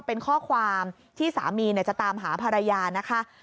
เป็นข้อความที่สามีจะตามหาภรรยานะคะ